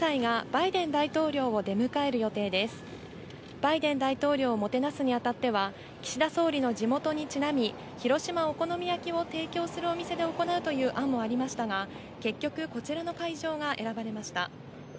バイデン大統領をもてなすにあたっては、岸田総理の地元にちなみ、広島、お好み焼きを提供するお店で行うという案もありましたが、結局、こちらの会場が選ばれました。